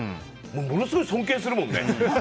ものすごい尊敬するもんね。